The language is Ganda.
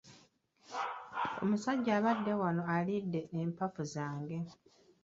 Omusajja abadde wano alidde empafu zange.